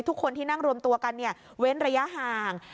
ทุกคนที่นั่งรวมตัวกันเว้นระยะห่าง